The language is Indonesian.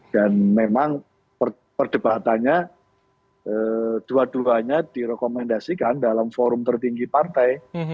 dan memang perdebatannya dua duanya direkomendasikan dalam forum tertinggi partai